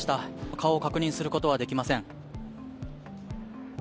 顔を確認することはできません。